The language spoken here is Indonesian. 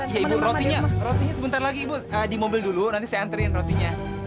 iya ibu rotinya sebentar lagi ibu di mobil dulu nanti saya anterin rotinya